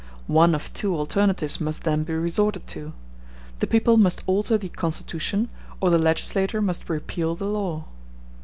One of two alternatives must then be resorted to: the people must alter the constitution, or the legislature must repeal the law.